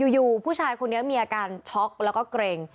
อยู่ผู้ชายคนนี้มีอาการช็อกแล้วก็เกร็ง